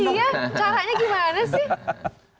iya caranya gimana sih